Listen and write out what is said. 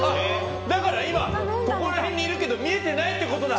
だから今ここら辺にいるけど見えてないってことだ！